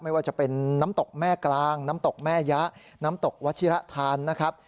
ไม่ว่าจะเป็นน้ำตกแม่กลางน้ำตกแม่ยะน้ำตกวัชิระธานนะครับ